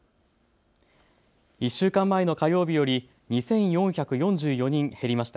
１週間前の火曜日より２４４４人減りました。